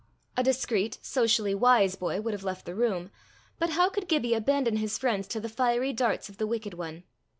A discreet, socially wise boy would have left the room, but how could Gibbie abandon his friends to the fiery darts of the wicked one!